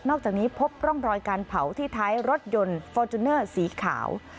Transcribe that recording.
อกจากนี้พบร่องรอยการเผาที่ท้ายรถยนต์ฟอร์จูเนอร์สีขาว